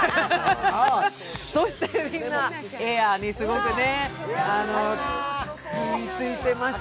そして、みんな「ＡＩＲ／エア」にすごく食いついてました。